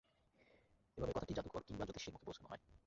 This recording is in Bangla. এভাবে কথাটি জাদুকর কিংবা জ্যোতিষীর মুখে পৌঁছানো হয়।